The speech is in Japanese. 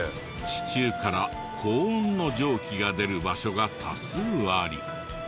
地中から高温の蒸気が出る場所が多数あり。